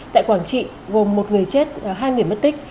tại quảng trị gồm một người chết hai người mất tích